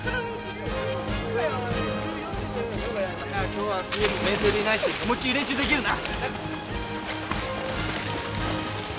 今日は水泳部も遠征でいないし思いっきり練習できるな。